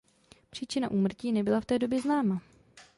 Příčina úmrtí nebyla v té době známa.